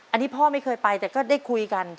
อันนี้พ่อไม่เคยไปแต่ก็ได้คุยกัน